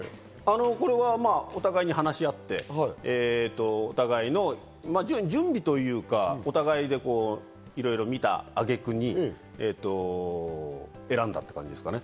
これはお互いに話し合って、お互いの準備というか、お互いいろいろ見た挙げ句に選んだって感じですかね。